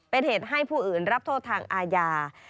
เป็นเหตุให้ผู้อื่นรับโทษทางอาญา